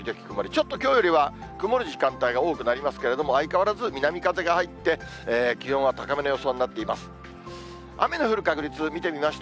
ちょっときょうよりは曇る時間帯が多くなりますけれども、相変わらず南風が入って、気温は高めの予想になってます。